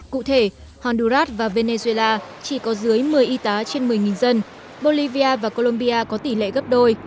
cụ thể honduras và venezuela chỉ có dưới một mươi y tá trên một mươi dân bolivia và colombia có tỷ lệ gấp đôi